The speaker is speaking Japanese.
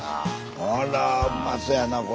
あらうまそうやな